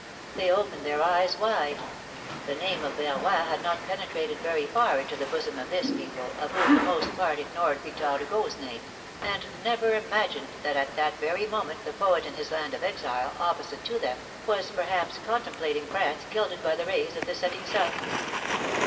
'^ They opened their eyes wide. The name of Verroy had not penetrated very far into the bosom of this people, of whom the most part ignored Victor Hugo's name, and never imagined that at that very moment the poet in his land of exile, opposite to them, was perhaps contem plating France gilded by the rays of the setting sun.